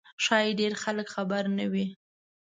ښایي ډېر خلک خبر نه وي.